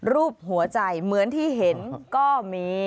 รูปหัวใจเหมือนที่เห็นก็มี